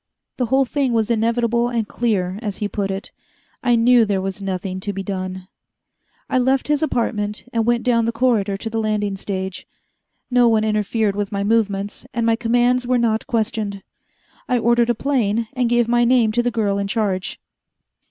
The whole thing was inevitable and clear as he put it. I knew there was nothing to be done. I left his apartment, and went down the corridor to the landing stage. No one interfered with my movements, and my commands were not questioned. I ordered a plane, and gave my name to the girl in charge.